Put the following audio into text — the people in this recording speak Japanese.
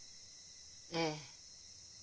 ええ。